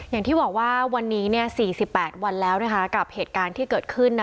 อย่างที่บอกว่าวันนี้๔๘วันแล้วกับเหตุการณ์ที่เกิดขึ้น